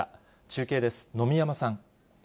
中継です、野見山さん。